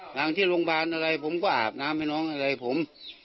ทางที่โรงพยาบาลอะไรผมก็อาบน้ำให้น้องอะไรผม